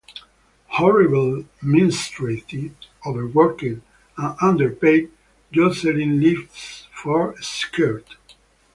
Horribly mistreated, overworked, and underpaid, Jocelyn lives for "Skirt".